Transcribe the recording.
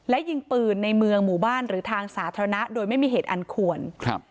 และยิงปืนในเมืองหมู่บ้านหรือทางสาธารณะโดยไม่มีเหตุอันควรครับ